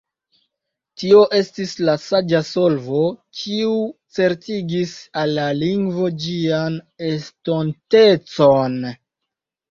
Tio estis la saĝa solvo, kiu certigis al la lingvo ĝian estontecon.